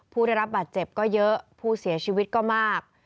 ผู้ได้รับบาดเจ็บก็เยอะผู้เสียชีวิตก็มาก